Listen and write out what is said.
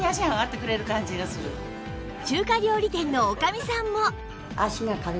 中華料理店の女将さんも